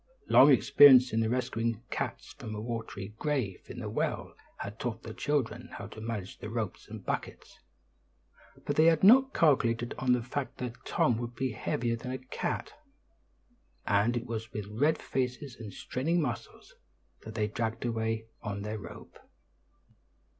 Long experience in rescuing cats from a watery grave in the well had taught the children how to manage the ropes and buckets; but they had not calculated on the fact that Tom would be heavier than a cat; and it was with red faces and straining muscles that they dragged away on their rope.